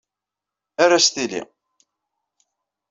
Err-as tili.